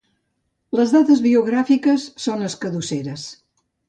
Les dades biogràfiques són escadusseres.